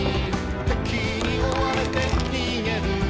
「敵に追われて逃げる」